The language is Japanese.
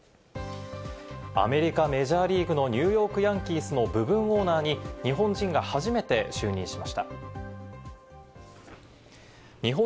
アメリカ・メジャーリーグのニューヨーク・ヤンキースの部分オーナーに日本人が初めて就任しました。